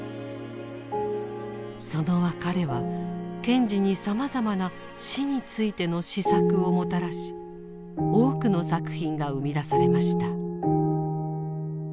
その別れは賢治にさまざまな死についての思索をもたらし多くの作品が生み出されました。